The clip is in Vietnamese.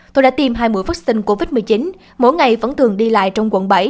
tôi đã tiêm hai mũi vaccine covid một mươi chín mỗi ngày vẫn thường đi lại trong quận bảy